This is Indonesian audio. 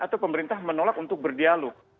atau pemerintah menolak untuk berdialog